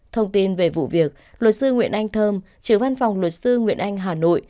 thông tin về vụ việc luật sư nguyễn anh thơm chứa văn phòng luật sư nguyễn anh hà nội